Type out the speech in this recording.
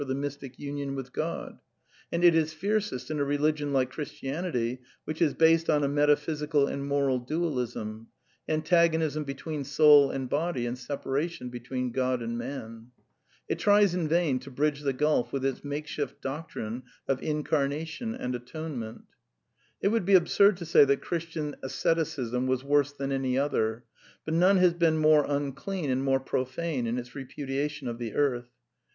The same uneasiness is at the root of the craving for the mystic union with God; and it is fiercest in a religion like Chris tianity, which is based on a metaphysical and moral dual ism, antagonism between soul and body and separati<m between Gkxi and man. It tries in vain to bridge the gulf with its makeshifLdflCt rine of Incarnation and Atonement It would be absurd to say that Christian asceticism was worse than any other, but none has been more unclean and more profane in its repudiation of the earth.